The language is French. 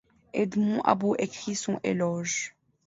Edmond About écrit son éloge.